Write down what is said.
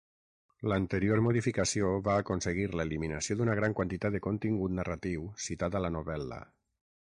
L'anterior modificació va aconseguir l'eliminació d'una gran quantitat de contingut narratiu citat a la novel·la.